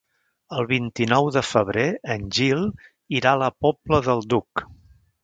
El vint-i-nou de febrer en Gil irà a la Pobla del Duc.